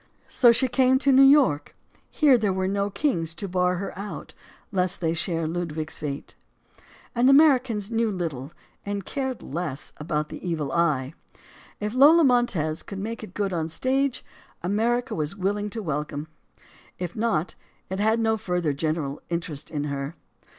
So she came to New York. Here there were no kings, to bar her out lest they share Ludwig's fate. 16 STORIES OF THE SUPER WOMEN And Americans knew little and cared less about the evil eye. If Lola Montez could make good on the stage, America was willing to welcome her: If not, it had no further general interest in her.